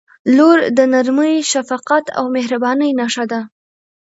• لور د نرمۍ، شفقت او مهربانۍ نښه ده.